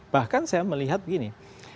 bahkan saya melihat begini